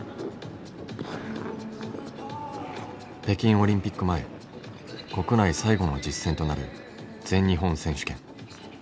北京オリンピック前国内最後の実戦となる全日本選手権。